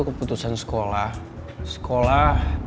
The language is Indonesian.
keputusan sekolah sekolah